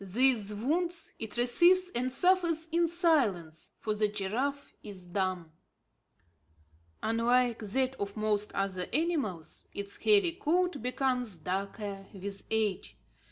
These wounds it receives and suffers in silence; for the giraffe is dumb. Unlike that of most other animals, its hairy coat becomes darker with age.